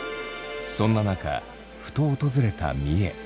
そんな中ふと訪れた三重。